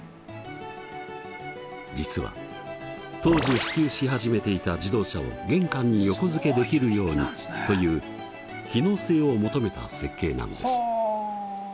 実は当時普及し始めていた自動車を玄関に横付けできるようにという機能性を求めた設計なんです。